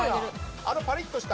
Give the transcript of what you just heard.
あのパリッとした。